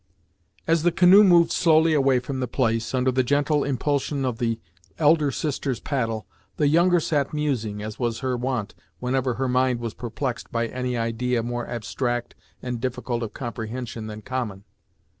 As the canoe moved slowly away from the place, under the gentle impulsion of the elder sister's paddle, the younger sat musing, as was her wont whenever her mind was perplexed by any idea more abstract and difficult of comprehension than common.